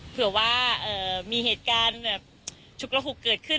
เผื่อว่ามีเหตุการณ์แบบฉุกระหุกเกิดขึ้น